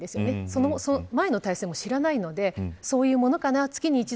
その前の体制も知らないのでそういうものかな